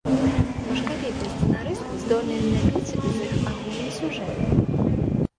Башкавітыя сцэнарысты здольныя зляпіць з іх агульны сюжэт.